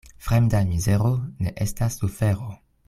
Fremda mizero ne estas sufero.